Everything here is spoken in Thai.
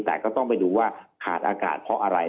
แต่ก็ต้องไปดูว่าขาดอากาศเพราะอะไร